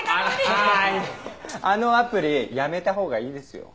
あああのアプリやめたほうがいいですよ。